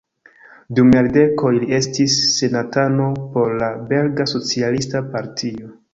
Dum jardekoj li estis senatano por la belga socialista partio.